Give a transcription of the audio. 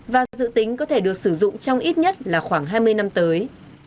và dự tính có thể được sử dụng trong ít nhất là khoảng hai mươi năm tới